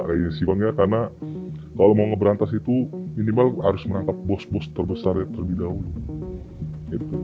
karena kalau mau ngeberantas itu minimal harus menangkap bos bos terbesar yang terlebih dahulu